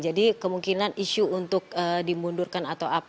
jadi kemungkinan isu untuk dimundurkan atau apa